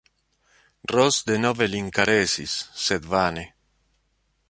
Ros denove lin karesis, sed vane.